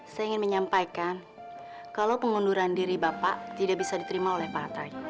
saya ingin menyampaikan kalau pengunduran diri bapak tidak bisa diterima oleh para tayu